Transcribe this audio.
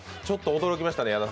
ちょっと驚きましたね